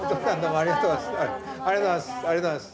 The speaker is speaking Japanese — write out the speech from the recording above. ありがとうございます。